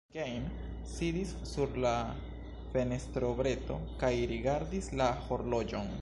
Gejm sidis sur la fenestrobreto kaj rigardis la horloĝon.